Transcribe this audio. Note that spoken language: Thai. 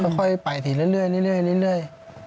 ค่อยไปทีเรื่อย